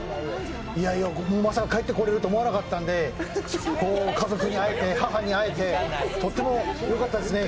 いやいや、まさか帰ってこれると思ってなかったので、家族に会えて、母に会えてとってもよかったですね。